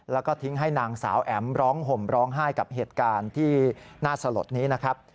แล้วก็ทิ้งให้นางสาวแอ๋มร้องห่มร้องไห้กับเหตุการณ์ที่น่าสลดนี้นะครับ